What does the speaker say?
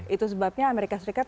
itu sebabnya amerika serikat